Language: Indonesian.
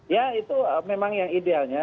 ya itu memang yang idealnya